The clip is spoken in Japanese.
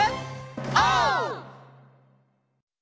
オー！